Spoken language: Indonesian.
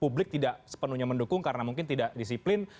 publik tidak sepenuhnya mendukung karena mungkin tidak disiplin